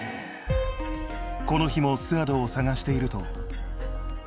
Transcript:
この日もスアドを捜していると。